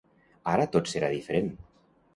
Ara tot serà diferent.